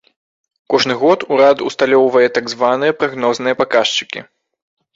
Кожны год урад усталёўвае так званыя прагнозныя паказчыкі.